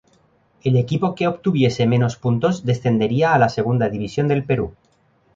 El equipo que obtuviese menos puntos, descendería a la Segunda División del Perú.